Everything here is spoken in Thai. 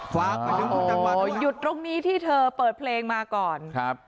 ฟังหยุดตรงนี้ที่เธอเปิดเพลงมาก่อน